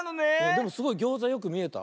でもすごいギョーザよくみえた。